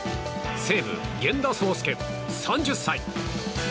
西武、源田壮亮選手、３０歳。